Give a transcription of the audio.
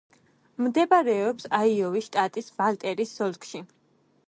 მდებარეობს აიოვის შტატის ბატლერის ოლქში.